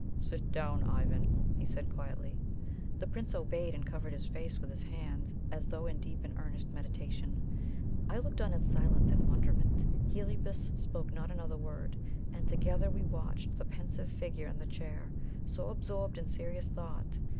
"Sit down, Ivan," he said quietly. The Prince obeyed, and covered his face with his hand as though in deep and earnest meditation. I looked on in silence and wonderment. Heliobas spoke not another word, and together we watched the pensive figure in the chair, so absorbed in serious thought.